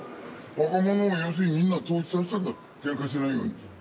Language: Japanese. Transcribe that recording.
若者を要するに、みんな、統一させたんだよ、けんかしないように。